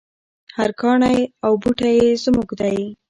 هر کاڼی او بوټی یې زموږ دی.